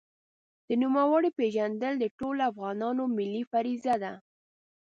د نوموړي پېژندل د ټولو افغانانو ملي فریضه ده.